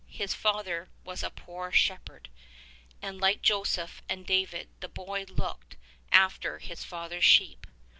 His father was a poor shep herd, aiid like Joseph and David the boy looked after his father's sheep.